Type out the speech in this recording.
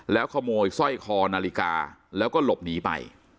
แล้วขโมยสร้อยคอนาฬิกาแล้วก็หลบหนีไป